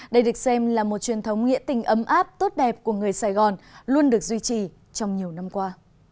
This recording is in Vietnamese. đây được xem là một truyền thống nghĩa tình ấm áp tốt đẹp của người sài gòn luôn được duy trì trong nhiều năm qua